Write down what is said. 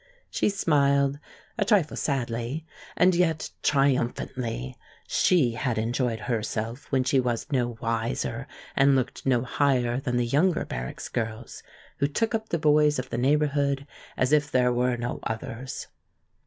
She smiled, a trifle sadly, and yet triumphantly. She had enjoyed herself when she was no wiser and looked no higher than the younger Barracks girls, who took up the boys of the neighborhood as if there were no others.